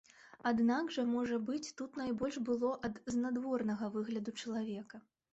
Аднак жа, можа быць, тут найбольш было ад знадворнага выгляду чалавека.